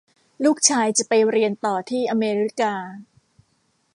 ลูกชายจะไปเรียนต่อที่อเมริกา